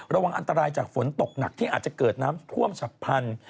ระวังอันตรายจากฝนตกหนักที่อาจจะเกิดน้ำท่วมฉับพันธุ์